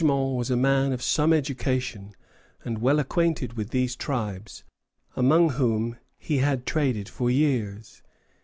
] Bourgmont was a man of some education, and well acquainted with these tribes, among whom he had traded for years.